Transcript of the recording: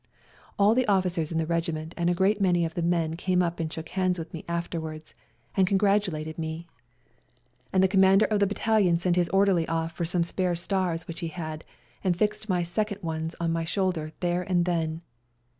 All the officers in the regiment and a great many of the men came up and shook hands with me afterwards, and congratu lated me, and the Commander of the " SLAVA DAY " 237 battalion sent his orderly off for some spare stars which he had, and fixed my second ones on my shoulders there and then.